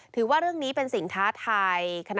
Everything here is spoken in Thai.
ถือว่าเรื่องนี้เป็นสิ่งท้าทาย